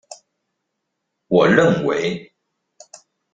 我認為